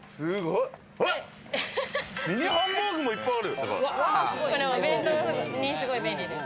ミニハンバーグもいっぱいある。